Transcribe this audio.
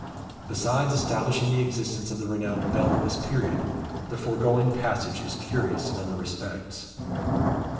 Besides establishing the existence of the renowned Bell at this period, the foregoing passage is curious in other respects.